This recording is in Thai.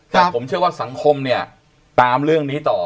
แต่ผมเชื่อว่าสังคมเนี่ยตามเรื่องนี้ต่อ